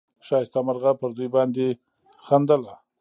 ښایسته مرغه پر دوی باندي خندله